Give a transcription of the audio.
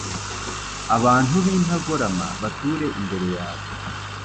abantu b’intagorama bature imbere yawe